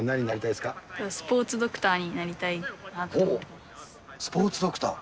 スポーツドクターになりたいスポーツドクター。